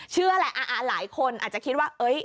เชื่อแหละหลายคนอาจจะคิดว่า